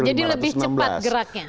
supaya kita move on dari rdtr